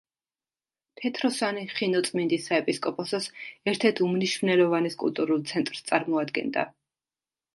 თეთროსანი ხინოწმინდის საეპისკოპოსოს ერთ-ერთ უმნიშვნელოვანეს კულტურულ ცენტრს წარმოადგენდა.